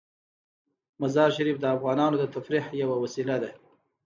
مزارشریف د افغانانو د تفریح یوه وسیله ده.